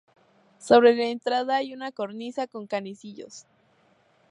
Sobre la entrada hay una cornisa con canecillos.